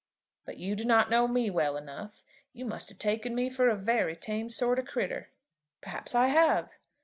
"But you do not know me well enough. You must have taken me for a very tame sort o' critter." "Perhaps I have."